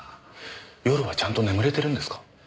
夜はちゃんと眠れてるんですか？